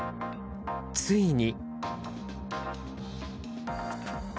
ついに。